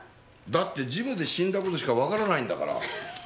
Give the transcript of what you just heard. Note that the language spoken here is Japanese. だってジムで死んだことしかわからないんだから。